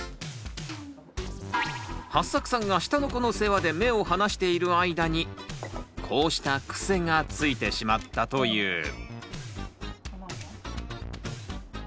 はっさくさんが下の子の世話で目を離している間にこうしたクセがついてしまったという。